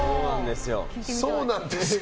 そうなんですよ。